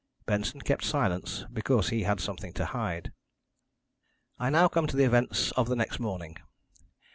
Benson kept silence because he had something to hide. "I now come to the events of the next morning.